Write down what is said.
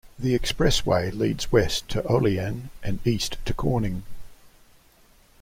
The expressway leads west to Olean and east to Corning.